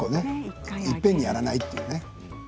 いっぺんにやらないというね。